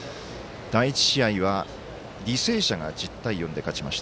第１試合は履正社が１０対４で勝ちました。